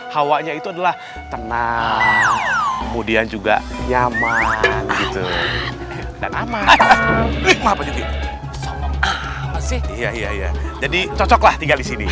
hawanya itu adalah tenang kemudian juga nyaman dan aman jadi cocoklah tinggal di sini